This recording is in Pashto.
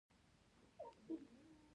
د پښتنو لودي او سور کورنیو هلته واک درلود.